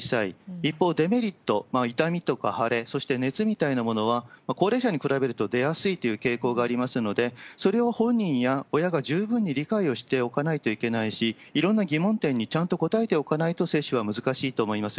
一方、デメリット、痛みとか腫れ、そして熱みたいなものは高齢者に比べると出やすいという傾向がありますので、それを本人や親が十分に理解をしておかないといけないし、いろんな疑問点にちゃんと答えておかないと接種は難しいと思います。